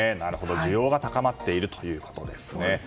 需要が高まっているということですね。